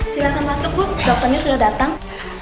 silahkan masuk bu dokternya sudah datang